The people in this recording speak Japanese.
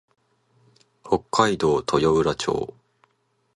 北海道豊浦町